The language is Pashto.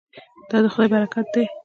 دا د خدای برکت دی.